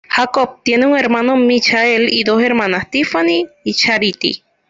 Jacob tiene un hermano Michael y dos hermanas Tiffany y Charity.